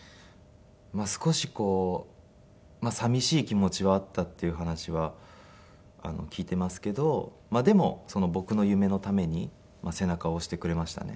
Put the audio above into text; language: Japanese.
まあ少し寂しい気持ちはあったっていう話は聞いていますけどでも僕の夢のために背中を押してくれましたね。